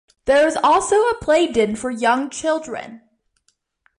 There is also a playden for young children.